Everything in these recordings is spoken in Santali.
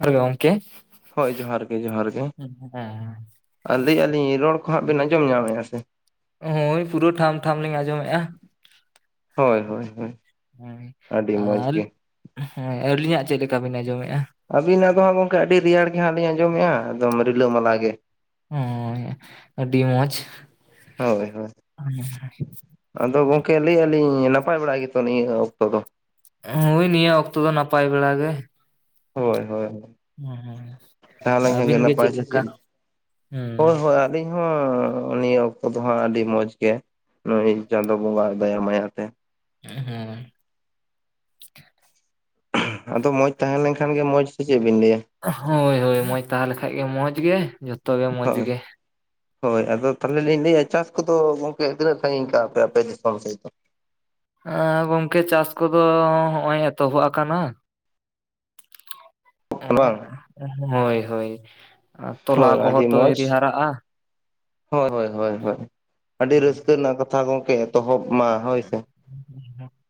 ᱟᱨᱮ ᱜᱚᱢᱠᱮ! ᱦᱳᱭ ᱡᱚᱦᱟᱨ ᱜᱮ ᱡᱚᱦᱟᱨ ᱜᱮ! ᱟᱨ ᱞᱟᱹᱭᱮᱼᱟᱞᱤᱧ ᱨᱚᱲ ᱠᱚ ᱦᱟᱸᱜ ᱵᱮᱱ ᱟᱸᱡᱚᱢ ᱧᱟᱢᱮᱫᱼᱟ ᱥᱮ? ᱦᱳᱭ ᱯᱩᱨᱟᱹ ᱴᱷᱟᱢ ᱴᱷᱟᱢ ᱞᱤᱧ ᱟᱸᱡᱚᱢᱮᱜᱼᱟ᱾ ᱦᱳᱭ ᱦᱳᱭ ᱦᱳᱭ᱾ ᱦᱳᱭ ᱟᱹᱰᱤ ᱢᱚᱸᱡᱽ ᱟᱞ ᱜᱮ ᱦᱮᱸ ᱟᱹᱞᱤᱧᱟᱜ ᱪᱮᱫ ᱞᱮᱠᱟ ᱵᱤᱱ ᱟᱸᱡᱚᱢᱮᱜ-ᱟ? ᱟᱹᱵᱤᱱᱟᱜ ᱫᱚ ᱦᱟᱸᱜ ᱜᱚᱝᱠᱮ ᱟᱹᱰᱤ ᱨᱮᱭᱟᱲ ᱜᱮ ᱦᱟᱸᱜ ᱞᱤᱧ ᱟᱸᱡᱚᱢᱮᱜᱼᱟ ᱮᱠᱫᱚᱢ ᱨᱤᱞᱟᱹ-ᱢᱟᱞᱟ ᱜᱮ᱾ ᱦᱚᱸᱭ ᱟᱹᱰᱤ ᱢᱚᱡᱽ᱾ ᱦᱳᱭ ᱦᱳᱭ ᱟᱫᱚ ᱜᱚᱝᱠᱮ ᱞᱟᱹᱭᱮᱜ-ᱟ ᱞᱤᱧ ᱱᱟᱯᱟᱭ ᱵᱟᱲᱟ ᱜᱮᱛᱚ ᱱᱤᱭᱟᱹ ᱚᱠᱛᱚ ᱫᱚ? ᱦᱳᱭ ᱱᱤᱭᱟᱹ ᱚᱠᱛᱚ ᱫᱚ ᱱᱟᱯᱟᱭ ᱵᱮᱲᱟ ᱜᱮ᱾ ᱦᱳᱭ ᱦᱳᱭ᱾ ᱦᱩᱸ ᱦᱩᱸ, ᱛᱟᱦᱮᱸ ᱞᱮᱱᱠᱷᱟᱱ ᱟᱵᱤᱱ ᱜᱮ ᱱᱟᱯᱟᱭ ᱪᱮᱫ ᱥᱮ ᱞᱮᱠᱟ? ᱦᱩᱸ᱾ ᱦᱳᱭ ᱦᱳᱭ ᱟᱹᱞᱤᱧ ᱦᱚᱸ ᱱᱤᱭᱟᱹ ᱚᱠᱛᱚ ᱫᱚᱦᱟᱸᱜ ᱟᱹᱰᱤ ᱢᱚᱸᱡᱽ ᱜᱮ᱾ ᱱᱚᱜᱼᱚᱭ ᱪᱟᱸᱫᱚ ᱵᱚᱸᱜᱟ ᱟᱜ ᱫᱟᱭᱟ ᱢᱟᱭᱟᱛᱮ᱾ ᱦᱮᱸ᱾ ᱟᱫᱚ ᱢᱚᱸᱡᱽ ᱛᱟᱦᱮᱸ ᱞᱮᱱᱠᱷᱟᱱ ᱜᱮ ᱢᱚᱸᱡᱽ ᱥᱮ ᱪᱮᱫ ᱵᱤᱱ ᱞᱟᱹᱭᱟ? ᱦᱳᱭ ᱦᱳᱭ᱾ ᱢᱚᱡᱽ ᱛᱟᱦᱮᱸᱞᱮᱠᱷᱟᱡ ᱜᱮ ᱢᱚᱡᱽ ᱜᱮ ᱡᱚᱛᱚ ᱜᱮ ᱢᱚᱡᱽ ᱦᱳᱭ ᱜᱮ᱾ ᱦᱳᱭ ᱟᱫᱚ ᱛᱟᱦᱞᱮ ᱞᱤᱧ ᱞᱟᱹᱭᱟ ᱪᱟᱥ ᱠᱚᱫᱚ ᱜᱚᱝᱠᱮ ᱛᱤᱱᱟᱹᱜ ᱥᱟᱺᱜᱤᱧ ᱠᱟᱜᱼᱟ ᱯᱮ ᱟᱯᱮ ᱫᱤᱥᱚᱢ ᱥᱮᱫ ᱫᱚ? ᱮᱸ ᱜᱚᱝᱠᱮ ᱪᱟᱥ ᱠᱚᱫᱚ ᱦᱚᱸᱜᱼᱚᱭ ᱮᱛᱚᱦᱚᱵᱽ ᱟᱠᱟᱱᱟ᱾ ᱵᱟᱝ? ᱦᱳᱭ ᱦᱳᱭ, ᱛᱚᱞᱟ ᱦᱳᱭ ᱠᱚᱦᱚᱸ ᱟᱹᱰᱤ ᱛᱚ ᱢᱚᱸᱡᱽ ᱟᱹᱭᱨᱤ ᱦᱟᱨᱟᱜᱼᱟ, ᱦᱳᱭ ᱦᱳᱭ ᱦᱳᱭ ᱦᱳᱭ, ᱟᱹᱰᱤ ᱨᱟᱹᱥᱠᱟᱹ ᱨᱮᱱᱟᱜ ᱠᱟᱛᱷᱟ ᱜᱚᱝᱠᱮ ᱮᱛᱚᱦᱚᱵᱽ ᱢᱟ ᱦᱳᱭ ᱥᱮ᱾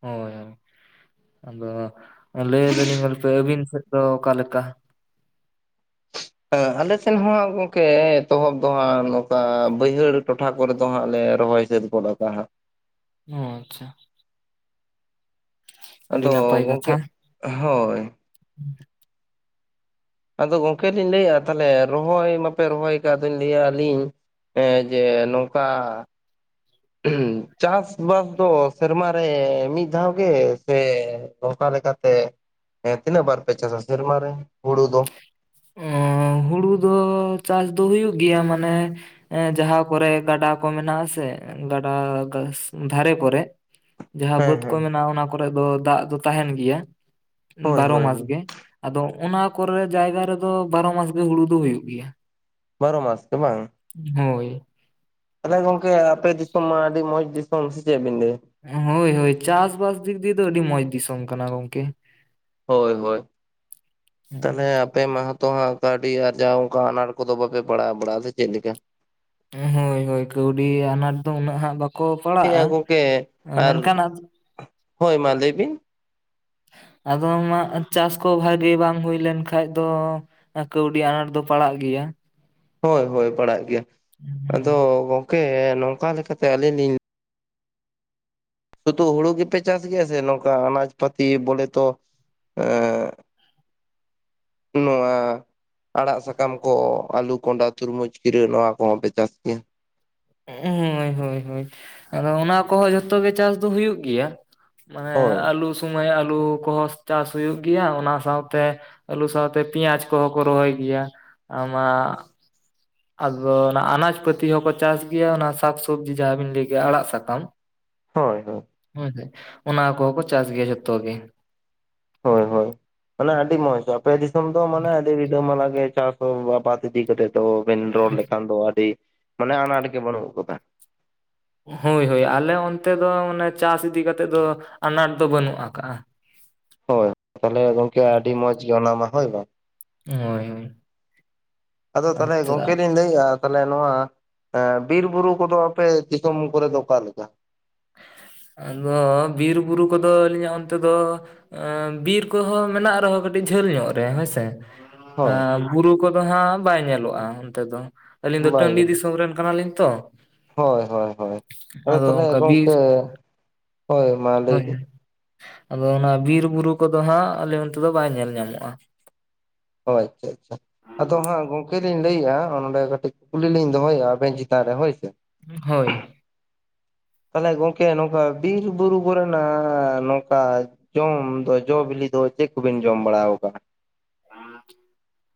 ᱦᱳᱭ ᱦᱳᱭ, ᱟᱫᱚ ᱞᱟᱹᱭ ᱫᱟᱹᱞᱤᱧ ᱜᱚᱞᱯᱮ ᱟᱹᱵᱤᱱ ᱥᱮᱜ ᱫᱚ ᱚᱠᱟ ᱞᱮᱠᱟ? ᱦᱮᱸ, ᱟᱞᱮ ᱥᱮᱱ ᱦᱚᱸᱦᱟᱸᱜ ᱜᱚᱝᱠᱮ ᱮᱛᱚᱦᱚᱵᱽ ᱫᱚ ᱦᱟᱸᱜ ᱱᱚᱝᱠᱟ ᱵᱟᱹᱭᱦᱟᱹᱲ ᱴᱚᱴᱷᱟ ᱠᱚᱨᱮ ᱫᱚ ᱦᱟᱸᱜ ᱞᱮ ᱨᱚᱦᱚᱭ ᱥᱟᱹᱛ ᱜᱚᱫᱽ ᱟᱠᱟᱜ ᱦᱟᱸᱜ᱾ ᱚᱻ ᱟᱪᱪᱷᱟ᱾ ᱟᱹᱰᱤ ᱟᱫᱚ ᱱᱟᱯᱟᱭ ᱠᱟᱛᱷᱟ᱾ ᱜᱚᱝᱠᱮᱜ [inaudible] ᱦᱳᱭ᱾ [inaudible] ᱟᱫᱚ ᱜᱚᱝᱠᱮ ᱞᱤᱧ ᱞᱟᱹᱭᱮᱫ-ᱟ ᱛᱟᱦᱚᱞᱮ ᱨᱚᱦᱚᱭ ᱢᱟᱯᱮ ᱨᱚᱦᱚᱭ ᱟᱠᱟᱫ ᱟᱫᱚᱧ ᱞᱟᱹᱭᱟ ᱟᱹᱞᱤᱧ ᱦᱮᱸ ᱡᱮ ᱱᱚᱝᱠᱟ [inaudible] ᱪᱟᱥ ᱵᱟᱥ ᱫᱚ ᱥᱮᱨᱢᱟ ᱨᱮ ᱢᱤᱫ ᱫᱷᱟᱣ ᱜᱮ ᱥᱮ ᱱᱚᱝᱠᱟ ᱞᱮᱠᱟᱛᱮ [inaudible] ᱛᱤᱱᱟᱹᱜ ᱵᱟᱨ ᱯᱮ ᱪᱟᱥᱟ ᱥᱮᱨᱢᱟ ᱨᱮ ᱦᱩᱲᱩ ᱫᱚ? [inaudible] ᱚᱸ ᱦᱩᱲᱩ ᱫᱚ ᱪᱟᱥ ᱫᱚ ᱦᱩᱭᱩᱜ ᱜᱮᱭᱟ ᱢᱟᱱᱮ ᱮ ᱡᱟᱦᱟᱸ ᱠᱚᱨᱮ ᱜᱟᱰᱟ ᱠᱚ ᱢᱮᱱᱟᱜ ᱟᱥᱮ ᱜᱟᱰᱟ ᱫᱷᱟᱨᱮ ᱠᱚᱨᱮ ᱾ ᱡᱟᱦᱟᱸ ᱦᱮᱸ ᱵᱟᱹᱫᱽ ᱠᱚ ᱦᱮᱸ ᱢᱮᱱᱟᱜ-ᱟ ᱚᱱᱟ ᱠᱚᱨᱮ ᱫᱚ ᱫᱟᱜ ᱫᱚ ᱛᱟᱦᱮᱱ ᱜᱮᱭᱟ ᱦᱳᱭ ᱵᱟᱨᱚ ᱦᱳᱭ ᱢᱟᱥ ᱦᱳᱭ ᱜᱮ ᱾ ᱟᱫᱚ ᱚᱱᱟ ᱠᱚᱨᱮ ᱡᱟᱭᱜᱟ ᱨᱮᱫᱚ ᱵᱟᱨᱚ ᱢᱟᱥ ᱜᱮ ᱦᱩᱲᱩ ᱫᱚ ᱦᱩᱭᱩᱜ ᱜᱮᱭᱟ ᱾ ᱵᱟᱨᱚ ᱢᱟᱥ ᱜᱮ ᱵᱟᱝ? ᱦᱳᱭ ᱾ ᱛᱟᱦᱞᱮ ᱜᱚᱝᱠᱮ ᱟᱯᱮ ᱫᱤᱥᱚᱢ ᱢᱟ ᱟᱹᱰᱤ ᱢᱚᱸᱡᱽ ᱫᱤᱥᱚᱢ ᱥᱮ ᱪᱮᱫ ᱵᱤᱱ ᱞᱟᱹᱭᱟ ᱾ ᱦᱳᱭ ᱦᱳᱭ ᱪᱟᱥᱵᱟᱥ ᱫᱤᱠ ᱫᱤᱭᱮ ᱫᱚ ᱟᱹᱰᱤ ᱢᱚᱸᱡᱽ ᱫᱤᱥᱚᱢ ᱠᱟᱱᱟ ᱜᱚᱝᱠᱮ ᱾ ᱦᱳᱭ ᱦᱳᱭ ᱾ [inaudible] ᱛᱟᱦᱞᱮ ᱟ ᱯᱮ ᱢᱟ ᱦᱚ ᱛᱚ ᱦᱟᱸᱜ ᱠᱟᱹᱣᱰᱤ ᱟᱨᱡᱟᱣ ᱚᱱᱠᱟ ᱟᱱᱟᱴ ᱠᱚᱫᱚ ᱵᱟᱯᱮ ᱯᱟᱲᱟᱣ ᱵᱟᱲᱟᱜ-ᱟ ᱥᱮ ᱪᱮᱫ ᱞᱮᱠᱟ? ᱦᱳᱭ ᱦᱳᱭ ᱠᱟᱹᱣᱰᱤ ᱟᱱᱟᱴ ᱫᱚ ᱩᱱᱟᱹᱜ ᱦᱟᱸᱜ ᱵᱟᱠᱚ ᱦᱮᱸᱭᱟ ᱯᱟᱲᱟᱜ-ᱟ ᱜᱚᱝᱠᱮ ᱾ [inaudible] ᱟᱨ ᱢᱮᱱᱠᱷᱟᱱ ᱦᱳᱭ ᱢᱟ ᱞᱟᱹᱭ ᱵᱤᱱ ᱾ ᱟᱫᱚ ᱢᱟᱜ ᱪᱟᱥ ᱠᱚ ᱵᱷᱟᱜᱤ ᱵᱟᱝ ᱦᱩᱭ ᱞᱮᱱᱠᱷᱟᱡ ᱫᱚ ᱟ ᱠᱟᱹᱣᱰᱤ ᱟᱱᱟᱴ ᱫᱚ ᱯᱟᱲᱟᱜ ᱜᱮᱭᱟ ᱾ ᱦᱳᱭ ᱦᱳᱭ ᱯᱟᱲᱟᱜ ᱜᱮᱭᱟ ᱾ [inaudible] ᱟᱫᱚ ᱜᱚᱝᱠᱮ ᱱᱚᱝᱠᱟ ᱞᱮᱠᱟᱛᱮ ᱟᱹᱞᱤᱧ ᱞᱤᱧ ᱥᱩᱫᱩ ᱦᱩᱲᱩ ᱜᱮᱯᱮ ᱪᱟᱥ ᱜᱮᱭᱟ ᱥᱮ ᱱᱚᱝᱠᱟ ᱟᱱᱟᱡᱽ ᱯᱟᱹᱛᱤ ᱵᱚᱞᱮ ᱛᱚ [inaudible] ᱮᱻ ᱱᱚᱸᱣᱟ ᱟᱲᱟᱜ ᱥᱟᱠᱟᱢ ᱠᱚ ᱟᱞᱩ ᱠᱚᱸᱰᱟ ᱛᱩᱨᱢᱩᱡᱽ ᱠᱤᱨᱟᱹ ᱱᱚᱣᱟ ᱠᱚᱦᱚᱸ ᱯᱮ ᱪᱟᱥ ᱜᱮᱭᱟ ᱾ ᱩᱸ ᱦᱳᱭ ᱦᱳᱭ ᱟᱫᱚ ᱚᱱᱟ ᱠᱚᱦᱚᱸ ᱡᱷᱚᱛᱚ ᱜᱮ ᱪᱟᱥ ᱫᱚ ᱦᱩᱭᱩᱜ ᱜᱮᱭᱟ ᱾ ᱢᱟᱱᱮ ᱦᱳᱭ ᱟᱹᱞᱩ ᱥᱩᱢᱚᱭ ᱟᱹᱞᱩ ᱠᱚᱦᱚ ᱪᱟᱥ ᱦᱩᱭᱩᱜ ᱜᱮᱭᱟ ᱚᱱᱟ ᱥᱟᱶᱛᱮ ᱟᱹᱞᱩ ᱥᱟᱶᱛᱮ ᱯᱮᱸᱭᱟᱡᱽ ᱠᱚᱦᱚᱸ ᱠᱚ ᱨᱚᱦᱚᱭ ᱜᱮᱭᱟ ᱟᱢᱟᱜ ᱟᱫᱚ ᱚᱱᱟ ᱟᱱᱟᱡᱽ ᱯᱟᱹᱛᱤ ᱦᱚᱸᱠᱚ ᱪᱟᱥ ᱜᱮᱭᱟ ᱚᱱᱟ ᱥᱟᱠᱥᱚᱵᱽᱡᱤ ᱡᱟᱦᱟᱸ ᱵᱤᱱ ᱞᱟᱹᱭ ᱠᱮᱜ-ᱟ ᱟᱲᱟᱜ ᱥᱟᱠᱟᱢ ᱾ ᱦᱳᱭ ᱦᱳᱭ ᱾ ᱦᱮᱸᱥᱮ ᱚᱱᱟ ᱠᱚᱦᱚᱸ ᱠᱚ ᱪᱟᱥ ᱜᱮᱭᱟ ᱡᱷᱚᱛᱚ ᱜᱮ ᱾ ᱦᱳᱭ ᱦᱳᱭ, ᱢᱟᱱᱮ ᱟᱹᱰᱤ ᱢᱚᱸᱡᱽ ᱟᱯᱮ ᱫᱤᱥᱚᱢ ᱫᱚ ᱢᱟᱱᱮ ᱟᱹᱰᱤ ᱨᱤᱞᱟᱹ ᱢᱟᱞᱟ ᱜᱮᱭᱟ ᱪᱟᱥ ᱚ ᱟᱵᱟᱫᱽ ᱤᱫᱤ ᱠᱟᱛᱮ ᱫᱚ ᱵᱤᱱ ᱨᱚᱲ ᱞᱮᱠᱷᱟᱱ ᱫᱚ ᱟᱹᱰᱤ ᱢᱟᱱᱮ ᱟᱱᱟᱴ ᱜᱮ ᱵᱟᱹᱱᱩᱜ ᱟᱠᱟᱫᱟ ᱾ ᱦᱳᱭ ᱦᱳᱭ ᱟᱞᱮ ᱚᱱᱛᱮ ᱫᱚ ᱚᱱᱮ ᱪᱟᱥ ᱤᱫᱤ ᱠᱟᱛᱮᱫ ᱫᱚ ᱟᱱᱟᱴ ᱫᱚ ᱵᱟᱹᱱᱩᱜ ᱟᱠᱟᱜ-ᱟ ᱾ ᱦᱳᱭ ᱛᱟᱦᱚᱞᱮ ᱜᱚᱢᱠᱮ ᱟᱹᱰᱤ ᱢᱚᱸᱡᱽ ᱜᱮ ᱚᱱᱟᱢᱟ ᱦᱳᱭ ᱵᱟᱝ ᱾ ᱦᱳᱭ ᱦᱳᱭ ᱾ ᱟᱫᱚ ᱛᱟᱦᱞᱮ ᱜᱚᱝᱠᱮ ᱞᱤᱧ ᱞᱟᱹᱭ ᱮᱫ-ᱟ ᱛᱟᱦᱚᱞᱮ ᱱᱚᱣᱟ ᱮ ᱵᱤᱨ ᱵᱩᱨᱩ ᱠᱚᱫᱚ ᱟᱯᱮ ᱫᱤᱥᱚᱢ ᱠᱚᱨᱮ ᱫᱚ ᱚᱠᱟᱞᱮᱠᱟ? ᱟᱫᱚ ᱵᱤᱨ ᱵᱩᱨᱩ ᱠᱚᱫᱚ ᱟᱹᱞᱤᱧᱟᱜ ᱚᱱᱛᱮ ᱫᱚ ᱮᱸ ᱵᱤᱨ ᱠᱚᱦᱚᱸ ᱢᱮᱱᱟᱜ ᱨᱮᱦᱚᱸ ᱠᱟᱹᱴᱤᱡ ᱡᱷᱟᱹᱞ ᱧᱚᱜ ᱨᱮ ᱦᱮᱸᱥᱮ ᱾ ᱟ ᱦᱳᱭ ᱵᱩᱨᱩ ᱠᱚᱫᱚ ᱦᱟᱸᱜ ᱵᱟᱭ ᱧᱮᱞᱚᱜ-ᱟ ᱚᱱᱛᱮ ᱫᱚ ᱾ ᱟᱹᱞᱤᱧ ᱫᱚ ᱵᱟᱭ ᱴᱟᱺᱰᱤ ᱫᱤᱥᱚᱢ ᱨᱮᱱ ᱠᱟᱱᱟᱞᱤᱧ ᱛᱚ ᱾ ᱦᱳᱭ ᱦᱳᱭ ᱦᱳᱭ ᱾ ᱟᱫᱚ ᱛᱟᱦᱚᱞᱮ ᱚᱱᱠᱟ ᱵᱤᱨ ᱜᱚᱢᱠᱮ [inaudible] ᱦᱳᱭ ᱢᱟ ᱞᱟᱹᱭ ᱦᱳᱭ ᱵᱤᱱ ᱾ ᱟᱫᱚ ᱚᱱᱟ ᱵᱤᱨ ᱵᱩᱨᱩ ᱠᱚᱫᱚ ᱦᱟᱸᱜ ᱟᱞᱮ ᱚᱱᱛᱮ ᱫᱚ ᱵᱟᱭ ᱧᱮᱞ ᱧᱟᱢᱚᱜ-ᱟ ᱾ ᱚ ᱟᱪᱪᱷᱟ ᱟᱪᱪᱷᱟ᱾ ᱟᱫᱚ ᱦᱟᱸᱜ ᱜᱚᱝᱠᱮ ᱞᱤᱧ ᱞᱟᱹᱭᱮᱜ-ᱟ᱾ ᱚ ᱱᱚᱸᱰᱮ ᱠᱟᱹᱴᱤᱡ ᱠᱩᱞᱤ ᱞᱤᱧ ᱫᱚᱦᱚᱭᱮᱜ-ᱟ ᱟᱵᱮᱱ ᱪᱮᱛᱟᱱ ᱨᱮ ᱦᱳᱭ ᱥᱮ᱾ ᱦᱳᱭ᱾ ᱛᱟᱞᱦᱮ ᱜᱚᱝᱠᱮ ᱱᱚᱝᱠᱟ ᱵᱤᱨ ᱵᱩᱨᱩ ᱠᱚᱨᱮᱱᱟ ᱱᱚᱝᱠᱟ ᱡᱚᱢ ᱫᱚ ᱡᱚ ᱵᱤᱞᱤ ᱫᱚ ᱪᱮᱫ ᱠᱚᱵᱤᱱ ᱡᱚᱢ ᱵᱟᱲᱟᱣ ᱠᱟᱜ-ᱟ᱾ [inaudible]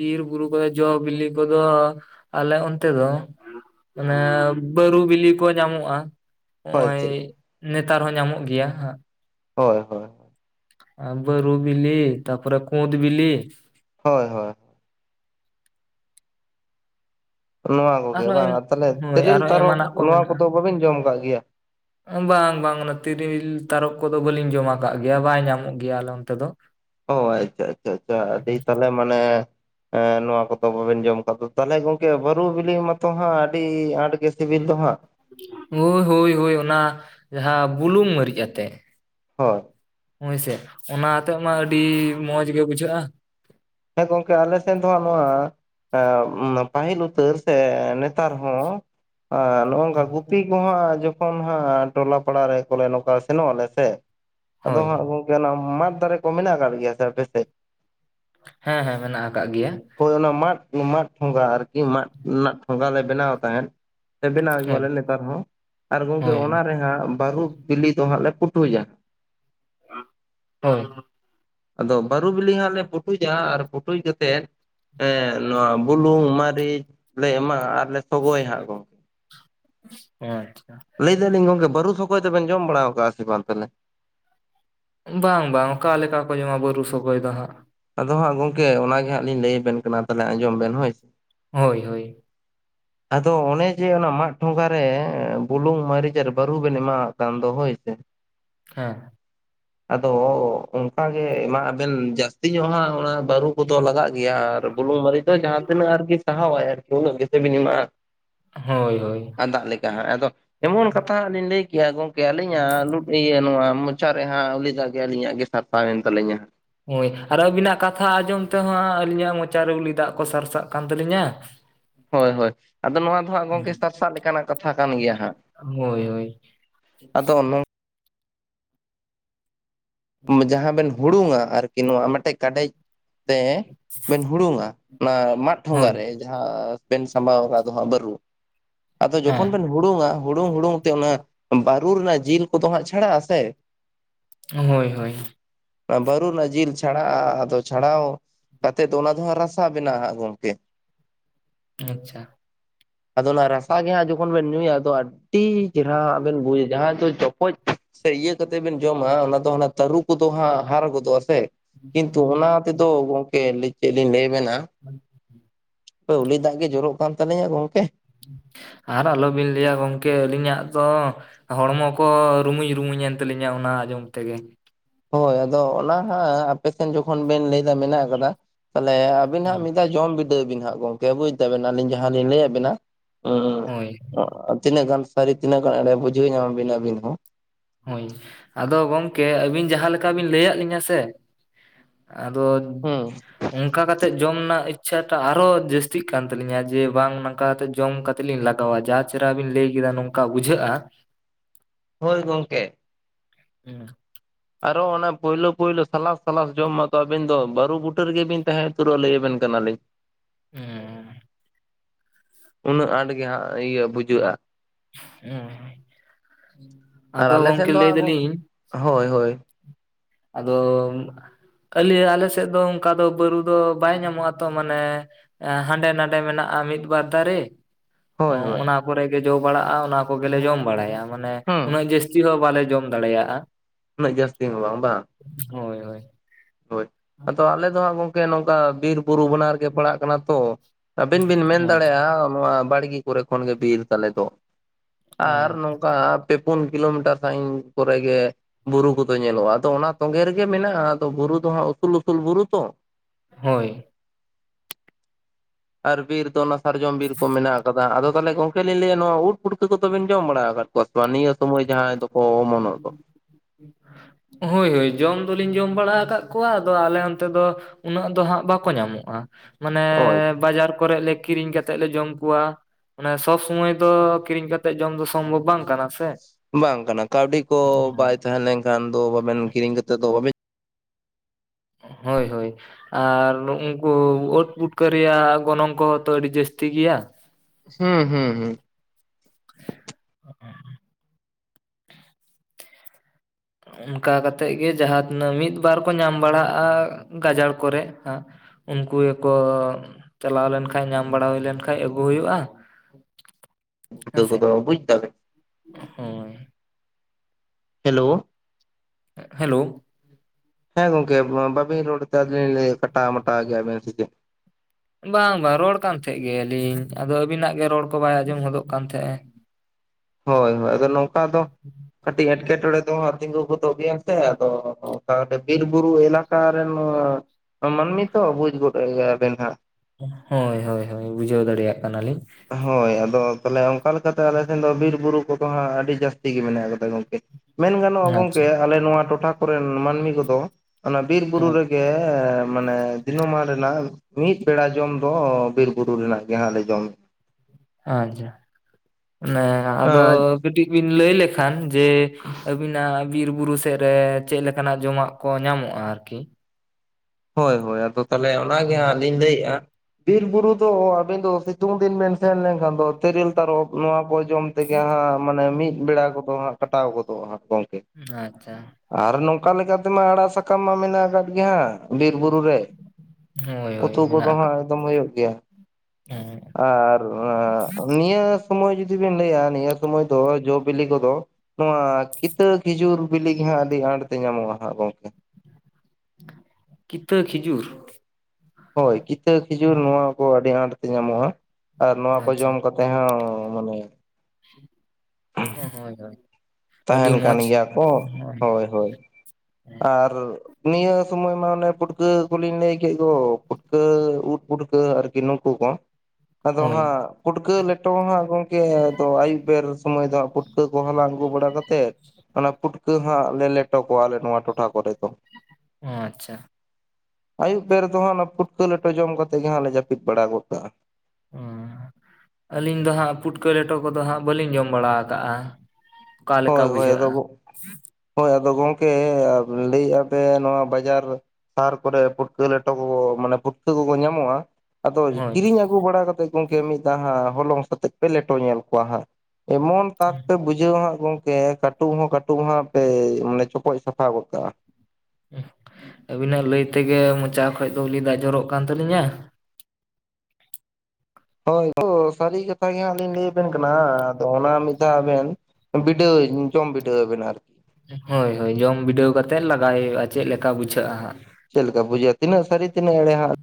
ᱵᱤᱨ ᱵᱩᱨᱩ ᱠᱚᱨᱮ ᱡᱚ ᱵᱤᱞᱤ ᱠᱚᱫᱚ ᱟᱞᱮ ᱚᱱᱛᱮ ᱫᱚ ᱚᱱᱮ ᱵᱟᱹᱨᱩ ᱵᱤᱞᱤ ᱠᱚ ᱧᱟᱢᱚᱜ-ᱟ᱾ ᱦᱳᱭ ᱪᱮ ᱦᱚᱜ-ᱚᱭ ᱱᱮᱛᱟᱨ ᱦᱚᱸ ᱧᱟᱢᱚᱜ ᱜᱮᱭᱟ ᱦᱟᱸᱜ᱾ ᱦᱳᱭ ᱦᱳᱭ᱾ ᱟᱹ ᱵᱟᱹᱨᱩ ᱵᱤᱞᱤ ᱛᱟᱯᱚᱨᱮ ᱠᱩᱸᱫᱽ ᱵᱤᱞᱤ᱾ ᱦᱳᱭ ᱦᱳᱭ᱾ ᱱᱚᱣᱟ ᱠᱚᱜᱮ ᱵᱟᱝ ᱟᱨᱦᱚᱸ ᱟᱨ ᱛᱟᱞᱦᱮ ᱦᱳᱭ ᱛᱤᱨᱤᱞ, ᱟᱨᱚ ᱛᱟᱨᱚᱵ ᱮᱢᱟᱱᱟᱜ ᱠᱚ ᱱᱚᱣᱟ ᱢᱮᱱᱟᱜᱼᱟ ᱠᱚᱫᱚ ᱵᱟᱵᱤᱱ ᱡᱚᱢ ᱟᱠᱟᱜ ᱜᱮᱭᱟ? ᱵᱟᱝ ᱵᱟᱝ ᱚᱱᱟ ᱛᱤᱨᱤᱞ, ᱛᱟᱨᱚᱵ ᱠᱚᱫᱚ ᱵᱟᱹᱞᱤᱧ ᱡᱚᱢ ᱟᱠᱟᱫ ᱜᱮᱭᱟ᱾ ᱵᱟᱭ ᱧᱟᱢᱚᱜ ᱜᱮᱭᱟ ᱚᱱᱛᱮ ᱫᱚ᱾ ᱚ ᱟᱪᱪᱷᱟ ᱟᱪᱪᱷᱟ ᱟᱪᱪᱷᱟ ᱟᱹᱰᱤ ᱛᱟᱞᱦᱮ ᱢᱟᱱᱮ ᱮᱸ ᱱᱚᱣᱟ ᱠᱚᱫᱚ ᱵᱟᱵᱮᱱ ᱡᱚᱢ ᱟᱠᱟᱫ ᱫᱚ᱾ ᱛᱟᱦᱚᱞᱮ ᱜᱚᱝᱠᱮ ᱵᱟᱨᱩ ᱵᱤᱞᱤ ᱢᱟᱛᱚ ᱦᱟᱸᱜ ᱟᱰᱤ ᱟᱸᱴ ᱜᱮ ᱥᱤᱵᱤᱞ ᱫᱚ ᱦᱟᱸᱜ᱾ ᱦᱳ ᱦᱳᱭ ᱦᱳᱭ ᱚᱱᱟ ᱡᱟᱦᱟ ᱵᱩᱞᱩᱝ ᱢᱟᱹᱨᱤᱪ ᱟᱛᱮ᱾ ᱦᱳᱭ᱾ ᱦᱳᱭᱥᱮ ᱚᱱᱟ ᱟᱛᱮᱫ ᱢᱟ ᱟᱰᱤ ᱢᱚᱡᱽ ᱜᱮ ᱵᱩᱡᱷᱟᱹᱜ-ᱟ᱾ ᱦᱮᱸ ᱜᱚᱝᱠᱮ ᱟᱞᱮᱥᱮᱱ ᱫᱚ ᱦᱟᱸᱜ ᱱᱚᱣᱟ ᱮᱸ ᱯᱟᱹᱦᱤᱞ ᱩᱛᱚᱹᱨ ᱥᱮ ᱱᱮᱛᱟᱨ ᱦᱚᱸ ᱟᱨ ᱱᱚᱜ-ᱚᱝᱠᱟ ᱠᱩᱯᱤ ᱠᱚᱦᱚᱸ ᱟ ᱡᱚᱠᱷ ᱠᱷᱚᱱ ᱦᱟᱸᱜ ᱴᱚᱞᱟ ᱯᱟᱲᱟ ᱨᱮ ᱠᱚᱞᱮ ᱱᱚᱠᱟ ᱥᱮᱱᱚᱜ ᱟᱞᱮ ᱥᱮ᱾ ᱟᱫᱚ ᱦᱳᱭ ᱦᱟᱸᱜ ᱜᱚᱝᱠᱮ ᱜᱮ ᱚᱱᱟ ᱢᱟᱫ ᱫᱟᱨᱮ ᱠᱚ ᱢᱤᱱᱟᱜ ᱟᱠᱟᱫ ᱜᱮᱭᱟ ᱥᱮ ᱟᱯᱮᱥᱮᱫ? ᱦᱮᱸ ᱦᱮᱸ ᱢᱮᱱᱟᱜ ᱟᱠᱟᱫ ᱜᱮᱭᱟ᱾ ᱦᱳᱭ ᱚᱱᱟ ᱢᱟᱫ ᱢᱟᱫ ᱴᱷᱚᱸᱜᱟ ᱟᱨᱠᱤ ᱢᱟᱫ ᱨᱮᱱᱟᱜ ᱴᱷᱚᱸᱜᱟ ᱞᱮ ᱵᱮᱱᱟ. ᱣ ᱛᱟᱦᱮᱸᱫ᱾ ᱥᱮ ᱵᱮᱱᱟ. ᱣ ᱦᱳᱭ ᱜᱮᱭᱟᱞᱮ ᱱᱮᱛᱟᱨ ᱦᱚᱸ ᱟᱨ ᱜᱚᱝᱠᱮ ᱦᱳᱭ ᱚᱱᱟ ᱨᱮᱦᱟᱸᱜ ᱵᱟᱹᱨᱩ ᱵᱤᱞᱤ ᱫᱚ ᱦᱟᱸᱜ ᱞᱮ ᱯᱩᱴᱷᱩᱡᱟ᱾ ᱦᱮᱸ ᱦᱳᱭ᱾ ᱟᱫᱚ ᱵᱟᱹᱨᱩ ᱵᱤᱞᱤ ᱦᱟᱸᱜ ᱞᱮ ᱯᱩᱴᱩᱡᱟ ᱟᱨ ᱯᱩᱴᱩᱡ ᱠᱟᱛᱮᱫ ᱮᱸ ᱱᱚᱣᱟ ᱵᱩᱞᱩᱝ ᱢᱟᱹᱨᱤᱪ ᱞᱮ ᱮᱢᱟᱜ-ᱟ ᱟᱨ ᱞᱮ ᱥᱚᱜᱚᱭᱟ ᱦᱟᱸᱜ ᱜᱟᱝ ᱚ ᱟᱪᱪᱷᱟ᱾ ᱞᱟᱹᱭ ᱫᱟᱞᱤᱧ ᱜᱚᱝᱠᱮ ᱵᱟᱹᱨᱩ ᱥᱚᱜᱚᱭ ᱫᱚᱵᱮᱱ ᱡᱚᱢ ᱵᱟᱲᱟᱣ ᱟᱠᱟᱫ-ᱟ ᱥᱮ ᱵᱟᱝ ᱛᱟᱦᱚᱞᱮ? ᱵᱟᱝ ᱵᱟᱝ ᱚᱠᱟ ᱞᱮᱠᱟ ᱠᱚ ᱡᱚᱢᱟ ᱵᱟ. ᱨᱩ ᱥᱚᱜᱚᱭ ᱫᱚ ᱦᱟᱸᱜ? ᱟᱫᱚ ᱦᱟᱸᱜ ᱜᱚᱝᱠᱮ ᱚᱱᱟᱜᱮ ᱦᱟᱸᱜ ᱞᱤᱧ ᱞᱟᱹᱭ ᱟᱵᱮᱱ ᱠᱟᱱᱟ ᱛᱟᱦᱚᱞᱮ ᱟᱡᱚᱢ ᱵᱮᱱ ᱦᱳᱸᱭ ᱥᱮ᱾ ᱦᱳᱸᱭ ᱦᱳᱸᱭ᱾ ᱟᱫᱚ ᱚᱱᱮ ᱡᱮ ᱚᱱᱟ ᱢᱟᱫ ᱴᱷᱚᱸᱜᱟ ᱨᱮ ᱵᱩᱞᱩᱝ, ᱢᱟᱹᱨᱤᱪ ᱟᱨ ᱵᱟᱹᱨᱩ ᱵᱮᱱ ᱮᱢᱟᱣᱟᱜ ᱠᱟᱱ ᱫᱚ ᱦᱳᱸᱭ ᱥᱮ᱾ [inaudible] ᱦᱮᱸ᱾ [inaudible] ᱟᱫᱚ ᱚᱱᱠᱟᱜᱮ ᱢᱟ ᱟᱵᱮᱱ ᱡᱟᱹᱥᱛᱤ ᱧᱚᱜ ᱦᱟᱸᱜ ᱚᱱᱟ ᱵᱟᱹᱨᱩ ᱠᱚᱫᱚ ᱞᱟᱜᱟᱸᱜ ᱜᱮᱭᱟ ᱟᱨ ᱵᱩᱞᱩᱝ ᱢᱟᱹᱨᱤᱪ ᱫᱚ ᱡᱟᱦᱟ ᱛᱤᱱᱟ ᱟᱨᱠᱤ ᱥᱟᱦᱚᱟᱭ ᱟᱨᱠᱤ ᱩᱱᱟᱹᱜ ᱜᱮ ᱥᱮᱵᱤᱱ ᱮᱢᱟᱜ-ᱟ᱾ ᱦᱳᱸᱭ ᱦᱳᱸᱭ᱾ ᱫᱟᱜ ᱞᱮᱠᱟ ᱦᱟᱸᱜ᱾ ᱟᱫᱚ ᱮᱢᱚᱱ ᱠᱟᱛᱷᱟ ᱦᱟᱸᱜ ᱞᱤᱧ ᱞᱟᱹᱭ ᱠᱮᱭᱟ ᱜᱚᱝᱠᱮ ᱟᱹᱞᱤᱧᱟ ᱞᱩᱴ ᱤᱭᱟᱹ ᱱᱚᱣᱟ ᱟᱪᱟᱨ ᱨᱮ ᱦᱟᱸᱜ ᱩᱞᱤᱫᱟᱜ ᱜᱮ ᱟᱹᱞᱤᱧᱟᱜ ᱜᱮ ᱥᱟᱨᱯᱟᱣ ᱮᱱ ᱛᱟᱞᱤᱧᱟ ᱦᱟᱸᱜ ᱾ ᱦᱮᱸ ᱟᱨ ᱟᱹᱵᱤᱱᱟᱜ ᱠᱟᱛᱷᱟ ᱟᱸᱡᱚᱢ ᱛᱮ ᱦᱚᱸ ᱟᱹᱞᱤᱧᱟᱜ ᱢᱚᱪᱟ ᱨᱮ ᱩᱞᱤ ᱫᱟᱜ ᱠᱚ ᱥᱟᱨᱥᱟᱜ ᱠᱟᱱ ᱛᱟᱹᱟᱞᱤᱧᱟ [unintelligible] ᱦᱳᱸᱭ ᱦᱳᱸᱭ ᱟᱫᱚ ᱱᱚᱣᱟ ᱫᱚ ᱦᱟᱸᱜ ᱜᱚᱢᱠᱮ ᱥᱟᱨᱥᱟᱜ ᱞᱮᱠᱟᱱᱟᱜ ᱠᱟᱛᱷᱟ ᱠᱟᱱ ᱜᱮᱭᱟ ᱦᱟᱸᱜ, ᱦᱳᱸᱭ ᱦᱳᱸᱭ, ᱟᱫᱚ [unintelligible] ᱱᱚ ᱡᱟᱦᱟᱸ ᱵᱮᱱ ᱦᱩᱲᱩᱝᱟ ᱟᱨᱠᱤ ᱱᱚᱣᱟ ᱢᱤᱫᱴᱮᱡ ᱠᱟᱰᱮᱡ ᱛᱮ ᱵᱮᱱ ᱦᱩᱲᱩᱝᱟ, ᱚᱱᱟ ᱢᱟᱜ ᱴᱷᱚᱸᱜᱟ ᱦᱳᱭ ᱨᱮ ᱡᱟᱦᱟ ᱵᱮᱱ ᱥᱟᱵᱟᱣ ᱸᱟ ᱦᱟ ᱵᱟᱹᱨᱩ, ᱟᱫᱚ ᱦᱮᱸ ᱡᱚᱠᱷᱚᱱ ᱵᱮᱱ ᱦᱩᱲᱩᱝᱟ ᱦᱩᱲᱩᱝ ᱦᱩᱲᱩᱝ ᱛᱮ ᱚᱱᱟ ᱵᱟᱹᱨᱩ ᱨᱮᱱᱟᱜ ᱡᱤᱞ ᱠᱚ ᱫᱚ ᱦᱟᱸᱜ ᱪᱷᱟᱲᱟᱜ ᱟᱥᱮ? ᱦᱳᱸᱭ ᱦᱳᱸᱭ, ᱵᱟᱹᱨᱩ ᱨᱮᱱᱟᱜ ᱡᱤᱞ ᱪᱷᱟᱲᱟ ᱟᱫᱚ ᱪᱷᱟᱲᱟᱣ, ᱠᱟᱛᱮ ᱫᱚ ᱚᱱᱟ ᱫᱚ ᱦᱟᱸᱜ ᱨᱟᱥᱟ ᱵᱮᱱᱟᱸᱜ ᱜᱚᱢᱠᱮ, ᱟᱪᱪᱷᱟ, ᱟᱫᱚ ᱚᱱᱟ ᱨᱟᱥᱟ ᱜᱮ ᱦᱟᱸᱜ ᱡᱚᱠᱷᱚᱱ ᱵᱮᱱ ᱧᱩᱭᱟ ᱟᱫᱚ ᱟᱹᱰᱤ ᱪᱮᱨᱦᱟ ᱵᱮᱱ ᱵᱩᱡᱟ ᱡᱟᱦᱟ ᱫᱚ, ᱯᱳᱸᱭ ᱥᱮ ᱤᱭᱟᱹ ᱠᱟᱛᱮ ᱵᱤᱱ ᱡᱚᱢᱟ ᱚᱱᱟ ᱫᱚ ᱚᱱᱟ ᱛᱟᱹᱨᱩ ᱠᱚ ᱫᱚ ᱦᱟᱸᱜ ᱦᱟᱨ ᱜᱚᱫᱚᱜᱼᱟ ᱥᱮ? ᱠᱤᱱᱛᱩ ᱚᱱᱟ ᱛᱮᱫᱚ ᱜᱚᱢᱠᱮ ᱪᱮᱫ ᱞᱤᱧ ᱞᱟᱹᱭ ᱟᱹᱵᱮᱱᱟ, [unintelligible] ᱩᱞᱤ ᱫᱟᱜ ᱜᱮ ᱡᱚᱨᱚᱜ ᱠᱟᱱ ᱛᱟᱹᱞᱤᱧᱟ ᱜᱚᱢᱠᱮ ᱾ ᱟᱨ ᱟᱞᱚ ᱵᱤᱱ ᱞᱟᱹᱭᱟ ᱜᱚᱢᱠᱮ ᱟᱹᱞᱤᱧᱟᱜ ᱫᱚ ᱾ ᱦᱚᱲᱢᱚ ᱠᱚ ᱨᱩᱢᱩᱧ-ᱨᱩᱢᱩᱧᱮᱱ ᱛᱟᱹᱞᱤᱧᱟ ᱚᱱᱟ ᱟᱸᱡᱚᱢ ᱛᱮ ᱜᱮ᱾ ᱦᱳᱭ ᱟᱫᱚ ᱚᱱᱟ ᱦᱟᱸᱜ ᱟᱯᱮ ᱥᱮᱱ ᱡᱚᱠᱷᱚᱱ ᱵᱮᱱ ᱞᱟᱹᱭ ᱮᱫᱟ ᱢᱮᱱᱟᱜ ᱟᱠᱟᱫᱟ, ᱛᱟᱦᱚᱞᱮ ᱟᱵᱤᱱ ᱦᱟᱸᱜ ᱢᱤᱫ ᱫᱷᱟᱣ ᱡᱚᱢ ᱵᱤᱰᱟᱹᱣ ᱵᱤᱱ ᱦᱟᱸᱜ ᱜᱚᱢᱠᱮ ᱵᱩᱡᱽ ᱛᱟᱵᱮᱱ ᱟᱹᱞᱤᱧ ᱡᱟᱦᱟᱸᱞᱤᱧ ᱞᱟᱹᱭᱟᱜ ᱵᱮᱱᱟ ᱾ ᱦᱩᱸ ᱦᱳᱭ ᱦᱩᱸ ᱛᱤᱱᱟᱹᱜ ᱜᱟᱱ ᱥᱟᱹᱨᱤ ᱛᱤᱱᱟᱹᱜ ᱜᱟᱱ ᱮᱲᱮ ᱵᱩᱡᱷᱟᱹᱣ ᱧᱟᱢ ᱵᱤᱱ ᱟᱹᱵᱤᱱ ᱦᱚᱸ, ᱦᱳᱭ, ᱟᱫᱚ ᱜᱚᱢᱠᱮ ᱟᱹᱵᱤᱱ ᱡᱟᱦᱟᱸ ᱞᱮᱠᱟ ᱵᱤᱱ ᱞᱟᱹᱭᱟᱫ ᱞᱤᱧᱟᱹ ᱥᱮ, ᱟᱫᱚ, ᱦᱩᱸ ᱚᱝᱠᱟ ᱠᱟᱛᱮ ᱡᱚᱢ ᱨᱮᱱᱟᱜ ᱤᱪᱷᱟᱴᱟ ᱟᱨᱦᱚᱸ ᱡᱟᱹᱥᱛᱤᱜ ᱠᱟᱱ ᱛᱟᱹᱟᱞᱤᱧᱟ ᱡᱮ ᱵᱟᱝ ᱱᱚᱝᱠᱟ ᱠᱟᱛᱮ ᱡᱚᱢ ᱠᱟᱛᱮ ᱛᱤᱞᱤᱧ ᱞᱟᱜᱟᱣᱟ ᱡᱟ ᱪᱮᱨᱦᱟ ᱵᱤᱱ ᱞᱟᱹᱭ ᱠᱮᱫᱟ ᱱᱚᱝᱠᱟ ᱵᱩᱡᱷᱟᱹᱜᱼᱟ᱾ ᱦᱳᱭ ᱜᱚᱢᱠᱮ, ᱦᱩᱸ ᱟᱨᱚ ᱚᱱᱟ ᱯᱳᱭᱞᱳ-ᱯᱳᱭᱞᱳ ᱥᱟᱞᱟᱥ-ᱥᱟᱞᱟᱥ ᱡᱚᱢ ᱢᱟᱛᱚ ᱟᱹᱵᱤᱱ ᱫᱚ ᱵᱟᱹᱨᱩ ᱵᱩᱴᱟᱹ ᱨᱮᱜᱮ ᱵᱤᱱ ᱛᱟᱦᱮᱸ ᱩᱛᱟᱹᱨᱚᱜ ᱞᱟᱹᱭ ᱟᱵᱮᱱ ᱠᱟᱱᱟ ᱞᱤᱧ ᱾ ᱦᱩᱸ, ᱩᱱᱟᱹᱜ ᱟᱸᱴᱜ ᱜᱮ ᱦᱟᱸᱜ ᱤᱭᱟᱹ ᱵᱩᱡᱷᱟᱹᱜᱼᱟ ᱾ ᱦᱩᱸ, ᱟᱨ ᱟᱫᱚ ᱟᱞᱮ ᱥᱮᱱ ᱜᱚᱢᱠᱮ ᱫᱚ ᱞᱟᱹᱭ ᱦᱟᱸᱜ ᱜᱚᱝᱠᱮ ᱫᱟᱞᱤᱧ, ᱦᱳᱭ ᱦᱳᱭ, ᱟᱫᱚ ᱟᱞᱤ ᱟᱞᱮ ᱥᱮᱫ ᱫᱚ ᱚᱱᱠᱟ ᱫᱚ ᱵᱟᱹᱨᱩ ᱫᱚ ᱵᱟᱭ ᱧᱟᱢᱚᱜ-ᱟ ᱛᱚ ᱢᱟᱱᱮ, ᱦᱟᱸᱰᱮ ᱱᱟᱰᱮ ᱢᱮᱱᱟᱜᱼᱟ ᱢᱤᱫ ᱵᱟᱨ ᱫᱟᱨᱮ ᱦᱳᱭ ᱾ ᱦᱳᱭ ᱚᱱᱟ ᱠᱚᱨᱮ ᱜᱮ ᱡᱚ ᱵᱟᱲᱟᱜᱼᱟ ᱚᱱᱟ ᱠᱚ ᱜᱮᱞᱮ ᱡᱚᱢ ᱵᱟᱲᱟᱭᱟ ᱢᱟᱱᱮ ᱦᱩᱸ ᱩᱱᱟᱹᱜ ᱡᱟᱹᱥᱛᱤ ᱪᱤ ᱦᱚᱸ ᱵᱟᱞᱮ ᱡᱚᱢ ᱫᱟᱲᱮᱭᱟᱜᱼᱟ, ᱩᱱᱟᱹᱜ ᱡᱟᱹᱥᱛᱤ ᱦᱚᱸ ᱵᱟᱝ ᱵᱟᱝ ᱦᱳᱭ ᱦᱳᱭ, ᱦᱳᱭ ᱟᱫᱚ ᱟᱞᱮ ᱫᱚ ᱦᱟᱸᱜ ᱜᱚᱢᱠᱮ ᱱᱚᱝᱠᱟ ᱵᱤᱨ ᱵᱩᱨᱩ ᱵᱟᱱᱟᱨ ᱜᱮ ᱯᱟᱲᱟᱜ ᱠᱟᱱᱟ ᱛᱚ᱾ ᱟᱹᱵᱤᱱ ᱵᱤᱱ ᱢᱮᱱ ᱟᱪᱪᱷᱟ ᱫᱟᱲᱮᱭᱟᱜᱼᱟ ᱱᱚᱣᱟ ᱵᱟᱲᱜᱤ, ᱯᱚᱨᱮ ᱠᱷᱚᱱ ᱜᱮ ᱵᱤᱨ ᱛᱟᱞᱮ ᱫᱚ ᱟᱨ ᱟᱪᱪᱷᱟ ᱱᱚᱝᱠᱟ ᱯᱮ ᱯᱳᱱ ᱠᱤᱞᱳᱢᱤᱴᱟᱨ ᱥᱟᱺᱜᱤᱧ ᱠᱚᱨᱮ ᱜᱮ ᱵᱩᱨᱩ ᱠᱚ ᱫᱚ ᱧᱮᱞᱚᱜᱼᱟ ᱟᱫᱚ ᱚᱱᱟ ᱛᱚᱸᱜᱮ ᱨᱮᱜᱮ ᱢᱮᱱᱟᱜᱼᱟ ᱾ ᱛᱚ ᱵᱩᱨᱩ ᱫᱚ ᱦᱟᱸᱜ ᱩᱥᱩᱞ ᱩᱥᱩᱞ ᱵᱩᱨᱩ ᱛᱚ, ᱦᱳᱭ, ᱟᱨ ᱵᱤᱨ ᱫᱚ ᱚᱱᱟ ᱥᱟᱨᱡᱚᱢ ᱵᱤᱨ ᱠᱚ ᱢᱮᱱᱟᱜ ᱟᱠᱟᱫᱟ ᱟᱫᱚ ᱛᱟᱦᱚᱞᱮ ᱜᱚᱝᱠᱮ ᱞᱤᱧ ᱞᱟᱹᱭᱟ ᱱᱚᱣᱟ ᱩᱛ ᱯᱷᱩᱴᱠᱟᱹ ᱠᱚᱫᱚᱵᱮᱱ ᱡᱚᱢ ᱵᱟᱲᱟ ᱟᱠᱟᱫ ᱠᱚᱣᱟ ᱥᱮ ᱵᱟᱝ ᱱᱤᱭᱟᱹ ᱥᱚᱢᱚᱭ ᱡᱟᱦᱟᱸᱭ ᱫᱚᱠᱚ ᱚᱢᱚᱱᱚᱜ ᱫᱚ ᱾ [inaudible] ᱦᱳᱭ ᱦᱳᱭ ᱡᱚᱢ ᱫᱚᱞᱤᱧ ᱡᱚᱢ ᱵᱟᱲᱟ ᱟᱠᱟᱫ ᱠᱚᱣᱟ ᱟᱫᱚ ᱟᱞᱮ ᱚᱱᱛᱮ ᱫᱚ ᱩᱱᱟᱹᱜ ᱫᱚ ᱦᱟᱸᱜ ᱵᱟᱠᱚ ᱧᱟᱢᱚᱜᱼᱟ ᱢᱟᱱᱮ ᱦᱳᱭ ᱵᱟᱡᱟᱨ ᱠᱚᱨᱮ ᱞᱮ ᱠᱤᱨᱤᱧ ᱠᱟᱛᱮ ᱠᱟᱛᱮᱫ ᱞᱮ ᱡᱚᱢ ᱠᱚᱣᱟ ᱢᱟᱱᱮ ᱥᱚᱵᱽ ᱥᱚᱥᱚᱢᱚᱭ ᱫᱚ ᱠᱤᱨᱤᱧ ᱠᱟᱛᱮᱜ ᱡᱚᱢ ᱫᱚ ᱥᱚᱢᱵᱷᱚᱵᱽ ᱵᱟᱝ ᱠᱟᱱᱟ ᱥᱮ ᱾ ᱵᱟᱝ ᱠᱟᱱᱟ ᱠᱟᱹᱣᱰᱤ ᱠᱚ ᱵᱟᱭ ᱛᱟᱦᱮᱸ ᱞᱮᱱᱠᱷᱟᱱ ᱫᱚ ᱵᱟᱵᱮᱱ ᱠᱤᱨᱤᱧ ᱠᱟᱛᱮ ᱫᱚ ᱵᱟᱵᱮᱱ ᱦᱳᱭ ᱦᱳᱭ᱾ ᱟᱨ ᱱᱩᱱᱠᱩ ᱩᱸᱛ ᱯᱩᱴᱠᱟᱹ ᱨᱮᱭᱟᱜ ᱜᱚᱱᱚᱝ ᱠᱚᱦᱚᱸ ᱛᱚ ᱟᱹᱰᱤ ᱡᱟᱹᱥᱛᱤ ᱜᱮᱭᱟ ᱾ ᱦᱩᱸ- ᱦᱩᱸ- ᱦᱩᱸ᱾ ᱚᱱᱠᱟ ᱠᱟᱛᱮᱜ ᱜᱮ ᱡᱟᱦᱟᱸ ᱛᱤᱱᱟᱹᱜ ᱢᱤᱫᱵᱟᱨ ᱠᱚ ᱧᱟᱢ ᱵᱟᱲᱟᱜᱼᱟ ᱜᱟᱡᱟᱲ ᱠᱚᱨᱮ᱾ ᱩᱱᱠᱩ ᱜᱮᱠᱚ ᱪᱟᱞᱟᱣ ᱞᱮᱱᱠᱟᱱ ᱧᱟᱢ ᱵᱟᱲᱟ ᱦᱩᱭ ᱞᱮᱱ ᱠᱷᱟᱱ ᱟᱹᱜᱩ ᱦᱩᱭᱩᱜᱼᱟ ᱾ [unintelligible] ᱵᱷᱩᱠᱟᱹᱣ ᱠᱚᱫᱚ ᱵᱩᱡ ᱫᱟᱵᱮᱱ᱾ ᱦᱩᱸ᱾ ᱦᱮᱞᱳ, ᱦᱮᱞᱳ, ᱦᱮᱸ ᱜᱚᱝᱠᱮ ᱵᱟᱹᱵᱤᱱ ᱨᱚᱲ ᱮᱫᱟ ᱡᱮ ᱠᱟᱴᱟᱣ ᱢᱟᱴᱟᱣ ᱠᱮᱼᱟ ᱵᱮᱱ ᱥᱮ ᱪᱮᱫ ᱾ ᱵᱟᱝ ᱵᱟᱝ ᱨᱚᱲ ᱠᱟᱱ ᱛᱟᱦᱮᱸᱫ ᱜᱮᱭᱟ ᱞᱤᱧ ᱟᱫᱚ ᱟᱹᱵᱤᱱᱟᱜ ᱜᱮ ᱨᱚᱲ ᱠᱚ ᱵᱟᱭ ᱟᱸᱡᱚᱢ ᱦᱚᱫᱚᱜ ᱠᱟᱱ ᱛᱟᱦᱮᱸᱜ᱾ ᱦᱳᱭ-ᱦᱳᱭ ᱟᱫᱚ ᱱᱚᱝᱠᱟ ᱫᱚ ᱠᱟᱴᱤᱡ ᱮᱴᱠᱮ ᱴᱚᱸᱲᱮ ᱫᱚ ᱦᱟᱸᱛᱤ ᱠᱚᱜᱚ ᱛᱳᱜ ᱜᱮᱭᱟ ᱥᱮ ᱟᱫᱚ ᱵᱤᱨᱤ ᱵᱩᱨᱩ ᱮᱞᱟ ᱚᱠᱟ ᱨᱮᱱ ᱢᱟᱹᱱᱢᱤ ᱛᱚ ᱵᱩᱡᱽ ᱜᱚᱫ ᱜᱮᱭᱟᱵᱮᱱ ᱦᱟᱸᱜ᱾ ᱦᱳᱭ ᱦᱳᱭ ᱦᱳᱭ ᱵᱩᱡᱷᱟᱹᱣ ᱫᱟᱲᱮᱭᱟᱜ ᱠᱟᱱᱟᱞᱤᱧ᱾ ᱦᱳᱭ ᱟᱫᱚ ᱛᱟᱦᱚᱞᱮ ᱚᱱᱠᱟ ᱞᱮᱠᱟ ᱛᱮ ᱟᱞᱮ ᱥᱮᱱ ᱫᱚ ᱵᱤᱨ ᱵᱩᱨᱩ ᱠᱚᱫᱚ ᱦᱟᱸᱜ ᱟᱹᱰᱤ ᱡᱟᱹᱥᱛᱤ ᱜᱮ ᱢᱮᱱᱟᱜ ᱟᱠᱟᱫᱟ ᱜᱚᱝᱠᱮ᱾ ᱢᱮᱱ ᱜᱟᱱᱚᱜᱼᱟ ᱟᱪᱪᱷᱟ ᱜᱚᱝᱠᱮ ᱟᱞᱮ ᱱᱚᱣᱟ ᱴᱚᱴᱷᱟ ᱠᱚᱨᱮᱱ ᱢᱟᱹᱱᱢᱤ ᱠᱚᱫᱚ ᱚᱱᱟ ᱵᱤᱨ ᱵᱩᱨᱩ ᱦᱮᱸ ᱨᱮᱜᱮ ᱜᱮᱻ ᱢᱟᱱᱮ ᱫᱤᱱᱳᱢᱟᱱ ᱨᱮᱱᱟᱜ ᱢᱤᱫ ᱵᱮᱲᱟ ᱡᱚᱢ ᱫᱚ ᱵᱤᱨ ᱵᱩᱨᱩ ᱨᱮᱱᱟᱜ ᱜᱮ ᱦᱟᱸᱜ ᱞᱮ ᱡᱚᱢ᱾ ᱟᱪᱪᱷᱟ ᱢᱮᱱᱮ ᱟᱫᱚ ᱠᱟᱹᱴᱤᱡ ᱵᱤᱱ ᱞᱟᱹᱭ ᱞᱮᱠᱷᱟᱱ ᱡᱮ ᱟᱵᱤᱱᱟᱜ ᱵᱤᱨ ᱵᱩᱨᱩ ᱥᱮᱫ ᱨᱮ ᱪᱮᱫ ᱞᱮᱠᱟᱱᱟᱜ ᱡᱚᱢᱟᱜ ᱠᱚ ᱧᱟᱢᱚᱜᱼᱟ ᱟᱨᱠᱤ? ᱦᱳᱭ ᱦᱳᱭ ᱟᱫᱚ ᱛᱟᱦᱟᱞᱮ ᱚᱱᱟ ᱜᱮ ᱦᱟᱸᱜ ᱞᱤᱧ ᱞᱟᱹᱭ ᱮᱜᱼᱟ᱾ ᱵᱤᱨ ᱵᱩᱨᱩ ᱫᱚ ᱟᱵᱤᱱ ᱫᱚ ᱥᱤᱛᱩᱝ ᱫᱤᱱ ᱵᱮᱱ ᱥᱮᱱ ᱞᱮᱱᱠᱷᱟᱱ ᱫᱚ ᱛᱤᱨᱩᱞ ᱛᱟᱨᱚᱵ ᱱᱚᱣᱟ ᱠᱚ ᱡᱚᱢ ᱛᱮᱜᱮ ᱦᱟᱸᱜ ᱢᱟᱱᱮ ᱢᱤᱫ ᱵᱮᱲᱟ ᱠᱚᱫᱚ ᱦᱟᱸᱜ ᱠᱟᱴᱟᱣ ᱜᱚᱫᱚᱜᱼᱟ ᱦᱟᱸᱜ ᱜᱚᱝᱠᱮ᱾ ᱟᱪᱪᱷᱟ᱾ ᱟᱨ ᱱᱚᱝᱠᱟ ᱞᱮᱠᱟ ᱛᱮᱢᱟ ᱟᱲᱟᱜ ᱥᱟᱠᱟᱢ ᱢᱟ ᱢᱮᱱᱟᱜ ᱟᱠᱟᱫ ᱜᱮ ᱦᱟᱸᱜ᱾ ᱵᱤᱨ ᱵᱩᱨᱩ ᱨᱮ ᱦᱳᱭ ᱦᱳᱭ ᱩᱛᱩ ᱠᱚᱫᱚ ᱢᱮᱱᱟᱜ ᱟᱠᱟᱫ ᱦᱟᱸᱜ᱾ ᱡᱚᱢ ᱦᱩᱭᱩᱜ ᱜᱮᱭᱟ ᱦᱮᱸ ᱟᱨ ᱱᱤᱭᱟ ᱥᱩᱢᱚᱭ ᱡᱩᱫᱤ ᱵᱤᱱ ᱞᱟᱹᱭᱟ ᱱᱤᱭᱟᱹ ᱥᱩᱢᱚᱭ ᱫᱚ ᱡᱚ ᱵᱤᱞᱤ ᱠᱚᱫᱚ ᱱᱚᱣᱟ ᱠᱤᱛᱟᱹ ᱠᱷᱤᱡᱩᱨ ᱵᱤᱞᱤ ᱜᱮ ᱦᱟᱸᱜ ᱟᱹᱰᱤ ᱟᱸᱴ ᱛᱮ ᱧᱟᱢᱚᱜ-ᱟ ᱦᱟᱸᱜ ᱜᱚᱝᱠᱮ᱾ ᱠᱤᱛᱟᱹ ᱠᱷᱤᱡᱩᱨ᱾ ᱦᱳᱭ ᱠᱤᱛᱟᱹ ᱠᱷᱤᱡᱩᱨ ᱱᱚᱣᱟ ᱠᱚ ᱟᱹᱰᱤ ᱟᱸᱴ ᱛᱮ ᱧᱟᱢᱚᱜᱼᱟ ᱟᱨ ᱱᱚᱣᱟ ᱠᱚ ᱟᱪᱪᱷᱟ ᱡᱚᱢ ᱠᱟᱛ ᱛᱮᱦᱚᱸ ᱢᱟᱱᱮ [unintelligible] ᱦᱳᱭ ᱟᱹᱰᱤ ᱛᱟᱦᱮᱱ ᱠᱟᱱ ᱢᱚᱸᱡᱽ ᱜᱮᱭᱟ ᱠᱚ ᱦᱳᱭ ᱦᱳᱭ ᱟᱨ ᱱᱤᱭᱟᱹ ᱥᱩᱢᱚᱭ ᱢᱟ ᱚᱱᱮ ᱯᱩᱴᱠᱟᱹ ᱠᱚᱞᱤᱧ ᱞᱟᱹᱭ ᱠᱮᱫ ᱜᱳ ᱯᱩᱴᱠᱟᱹ ᱩᱫ ᱯᱩᱴᱠᱟᱹ ᱟᱨᱠᱤ ᱱᱩᱠᱩ ᱠᱚ᱾ ᱟᱫᱚ ᱦᱳᱭ ᱦᱟᱸᱜ ᱯᱩᱴᱠᱟᱹ ᱞᱮᱴᱚ ᱦᱟᱸᱜ ᱜᱚᱝᱠᱮ ᱦᱚ ᱜᱚᱝᱠᱮ ᱟᱭᱩᱵ ᱵᱮᱨ ᱥᱚᱢᱚᱭ ᱫᱚ ᱦᱟᱸᱜ ᱯᱩᱴᱠᱟᱹ ᱠᱚ ᱦᱟᱞᱟᱝ ᱟᱹᱜᱩ ᱵᱟᱲᱟ ᱠᱚ ᱠᱟᱛᱮ ᱚᱱᱟ ᱯᱩᱴᱠᱟᱹ ᱦᱟᱸᱜ ᱞᱮᱴᱚ ᱠᱚᱣᱟ ᱟᱞᱮ ᱱᱚᱣᱟ ᱴᱚᱴᱷᱟ ᱠᱚᱨᱮ ᱫᱚ ᱾ ᱟᱪᱪᱷᱟ ᱟᱹᱭᱩᱵ ᱵᱮᱨ ᱫᱚ ᱦᱟᱸᱜ ᱚᱱᱟ ᱯᱩᱴᱠᱟᱹ ᱞᱮᱴᱚ ᱡᱚᱢ ᱠᱟᱛᱮ ᱜᱮ ᱦᱟᱸᱜ ᱞᱮ ᱡᱟᱹᱯᱤᱫ ᱵᱟᱲᱟ ᱜᱚᱫ ᱠᱟᱜ-ᱟ ᱾ ᱦᱚ ᱟᱹᱞᱤᱧ ᱫᱚ ᱦᱟᱸᱜ ᱯᱩᱴᱠᱟᱹ ᱞᱮᱴᱚ ᱠᱚᱫᱚ ᱦᱟᱸᱜ ᱵᱟᱹᱞᱤᱧ ᱡᱚᱢ ᱵᱟᱲᱟ ᱟᱠᱟᱜ-ᱟ ᱾ ᱦᱳᱭ ᱦᱳᱭ ᱟᱫᱚ ᱦᱳᱭ ᱟᱫᱚ ᱜᱚᱝᱠᱮ ᱞᱟᱹᱭᱮᱜ-ᱟ ᱯᱮ ᱱᱚᱣᱟ ᱵᱟᱡᱟᱨ ᱥᱟᱦᱟᱨ ᱠᱚᱨᱮ ᱯᱷᱩᱴᱠᱟᱹ ᱞᱮᱴᱚ ᱠᱚ ᱢᱟᱱᱮ ᱯᱩᱴᱠᱟᱹ ᱠᱚᱠᱚ ᱧᱟᱢᱚᱜ-ᱟ, ᱟᱫᱚ ᱦᱳᱭ ᱠᱤᱨᱤᱧ ᱟᱹᱜᱩ ᱵᱟᱲᱟ ᱠᱟᱛᱮᱜ ᱜᱚᱝᱠᱮ ᱢᱤᱫ ᱫᱷᱟᱣ ᱦᱟᱸᱜ ᱦᱚᱞᱚᱝ ᱥᱟᱛᱮᱜ ᱯᱮ ᱞᱮᱴᱚ ᱧᱮᱞ ᱠᱚᱣᱟ ᱦᱟᱸᱜ ᱮᱢᱚᱱ ᱛᱟᱠ ᱯᱮ ᱵᱩᱡᱷᱟᱹᱣ ᱦᱟᱸᱜ ᱜᱚᱝᱠᱮ ᱠᱟᱹᱴᱩᱵ ᱦᱚᱸ ᱠᱟᱹᱴᱩᱵ ᱦᱟᱸᱜ ᱯᱮ ᱢᱟᱱᱮ ᱪᱚᱯᱚᱡ ᱥᱟᱯᱷᱟ ᱜᱚᱫ ᱠᱟᱜ-ᱟ ᱾ ᱟᱵᱤᱱᱟᱜ ᱞᱟᱹᱭ ᱛᱮᱜᱮ ᱢᱚᱪᱟ ᱠᱷᱚᱱᱚᱡ ᱫᱚ ᱩᱞᱤ ᱫᱟᱜ ᱡᱚᱨᱚᱜ ᱠᱟᱱ ᱛᱟᱞᱤᱧᱟ ᱾ ᱦᱳᱭ ᱜᱳ ᱥᱟᱹᱨᱤ ᱠᱟᱛᱷᱟ ᱜᱮ ᱦᱟᱸᱜ ᱞᱤᱧ ᱞᱟᱹᱭ ᱟᱵᱮᱱ ᱠᱟᱱᱟ ᱟᱫᱚ ᱚᱱᱟ ᱢᱤᱫ ᱫᱷᱟᱣ ᱵᱮᱱ ᱵᱤᱰᱟᱹᱣ ᱡᱚᱢ ᱵᱤᱰᱟᱹᱣ ᱟᱵᱤᱱ ᱟᱨᱠᱤ ᱾ ᱦᱳᱭ ᱦᱳᱭ ᱡᱚᱢ ᱵᱤᱰᱟᱹᱣ ᱠᱟᱛᱮᱫ ᱞᱟᱜᱟᱭ ᱦᱩᱭᱩᱜ-ᱟ ᱪᱮᱫ ᱞᱮᱠᱟ ᱵᱩᱡᱷᱟᱜ-ᱟ ᱾ ᱪᱮᱫ ᱞᱮᱠᱟ ᱵᱩᱡᱦᱟᱜ-ᱟ ᱛᱤᱱᱟᱹᱜ ᱥᱟᱨᱤ ᱛᱤᱱᱟᱹᱜ ᱮᱲᱮ ᱦᱟᱸᱜ ᱾